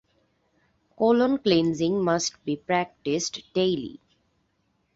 Colon cleansing must be practiced daily.